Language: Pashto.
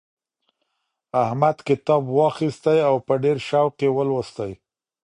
احمد کتاب واخیستی او په ډېر شوق یې ولوستی.